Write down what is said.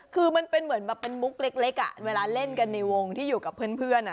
คือมันเป็นเหมือนแบบเป็นมุกเล็กเวลาเล่นกันในวงที่อยู่กับเพื่อน